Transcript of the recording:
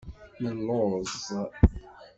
Nelluẓ.